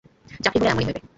চাকরি হলে এমনিই হবে।